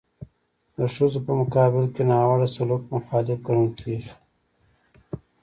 د ښځو په مقابل کې ناوړه سلوک مخالف ګڼل کیږي.